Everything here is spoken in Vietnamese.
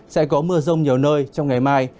sẽ có mưa rông nhiều nơi trong ngày mai